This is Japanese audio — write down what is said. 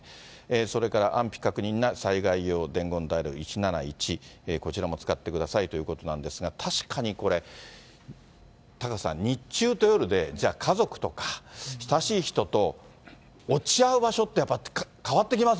それから安否確認は、災害用伝言ダイヤル、１７１、こちらも使ってくださいということなんですが、確かにこれ、タカさん、日中と夜で、じゃあ、家族とか親しい人と落ち合う場所って変わってきます